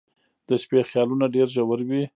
• د شپې خیالونه ډېر ژور وي.